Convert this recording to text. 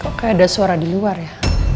kok kayak ada suara di luar ya